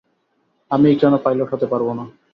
আমিই কেন পাইলট হতে পারব না।